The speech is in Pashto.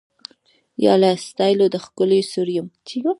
یا له ستایلو د ښکلیو سوړ یم